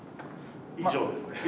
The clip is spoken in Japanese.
以上ですね。